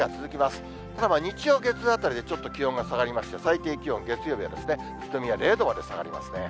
ただ、日曜、月曜あたりでちょっと気温が下がりまして、最低気温、月曜日は宇都宮、０度まで下がりますね。